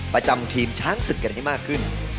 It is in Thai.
ประจำทีมช้างศึกกันให้มากขึ้น